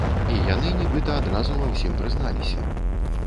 І яны нібыта адразу ва ўсім прызналіся.